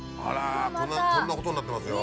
こんなことになってますよ。